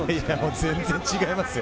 全然違いますよ。